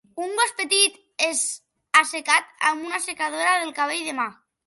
Un gos petit és assecat amb un assecador del cabell de mà.